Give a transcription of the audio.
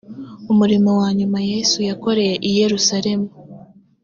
umurimo wa nyuma yesu yakoreye i yerusalemu